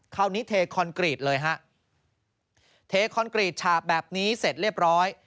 เทคอนกรีตเลยฮะเทคอนกรีตฉาบแบบนี้เสร็จเรียบร้อย